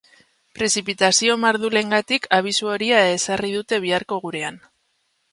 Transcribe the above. Prezipitazio mardulengatik abisu horia ezarri dute biharko gurean.